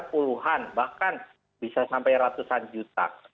puluhan bahkan bisa sampai ratusan juta